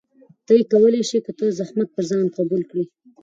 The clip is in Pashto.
ته يې کولى شې يا که ته زحمت پر ځان قبول کړي؟